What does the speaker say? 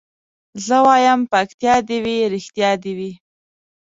زه وايم پکتيا دي وي رښتيا دي وي